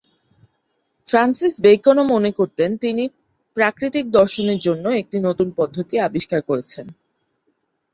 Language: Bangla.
ফ্রান্সিস বেকন ও মনে করতেন তিনি প্রাকৃতিক দর্শনের জন্য একটি নতুন পদ্ধতি আবিষ্কার করেছেন।